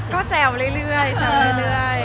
ก็แซวเรื่อย